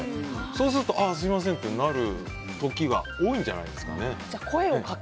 そうすると、すみませんってなる時が多いんじゃないですかね。